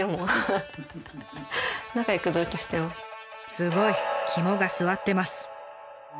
すごい！肝が据わってます。